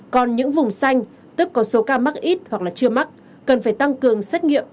còn những vùng xanh tức có số ca mắc ít hoặc là chưa mắc cần phải tăng cường xét nghiệm